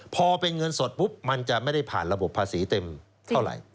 พอเป็นเงินสดปุ๊บมันจะไม่ได้ผ่านระบบภาษีเต็มเท่าไหร่